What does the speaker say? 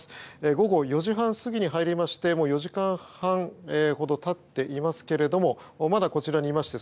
午後４時半過ぎに入りましてもう４時間半ほど経っていますけれどもまだ、こちらにいまして